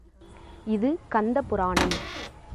இது கந்த புராணம்.